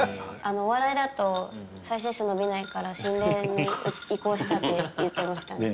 お笑いだと再生数伸びないから心霊に移行したって言ってました。